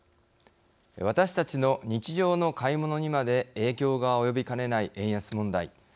私たちの日常の買い物にまで影響が及びかねない円安問題。